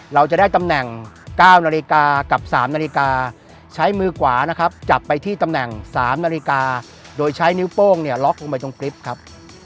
เราจะได้ตำแหน่ง๙นาฬิกากับ๓นาฬิกาใช้มือขวานะครับจับไปที่ตำแหน่ง๓นาฬิกาโดยใช้นิ้วโป้งเนี่ยล็อกลงไปตรงกริปครับ